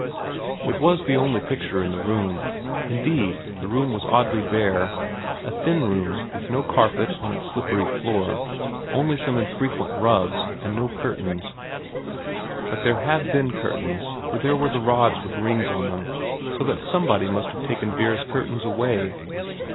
... It was the only picture in the room ; indeed, the room was oddly bare, a thin room, with no carpet on its slippery floor, only some infrequent rugs, and no curtains. But there had been curtains, for there were the rods with rings on them, so that somebody must have taken Vera's curtains away.